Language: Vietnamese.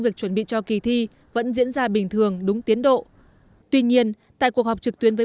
viên cho kỳ thi vẫn diễn ra bình thường đúng tiến độ tuy nhiên tại cuộc họp trực tuyến với